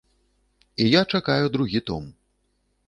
І я чакаю другі том.